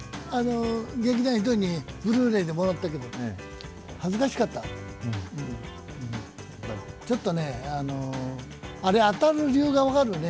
劇団ひとりにブルーレイでもらったけど、恥ずかしかった、ちょっと、あれ、当たる理由が分かるね。